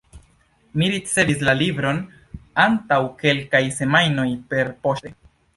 Mi ricevis la libron antaŭ kelkaj semajnoj perpoŝte.